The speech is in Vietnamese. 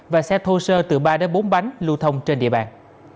và xe thô sơ từ ba đến bốn bánh lưu thông trên địa bàn